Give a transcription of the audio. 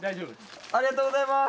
ありがとうございます！